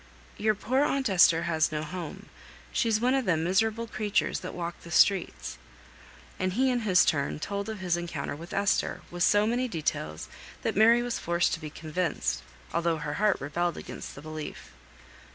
"Your poor aunt Esther has no home: she's one of them miserable creatures that walk the streets." And he in his turn told of his encounter with Esther, with so many details that Mary was forced to be convinced, although her heart rebelled against the belief.